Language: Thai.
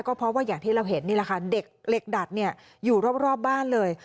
ก็เพราะว่าอย่างที่เราเห็นนี่แหละค่ะเด็กเหล็กดัดอยู่รอบบ้านเลย